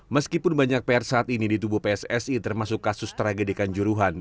meskipun banyak pr saat ini di tubuh pssi termasuk kasus tragedikan juruhan